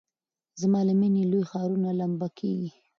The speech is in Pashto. زما له میني لوی ښارونه لمبه کیږي